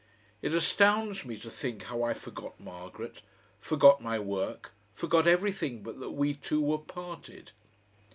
It astounds me to think how I forgot Margaret, forgot my work, forgot everything but that we two were parted.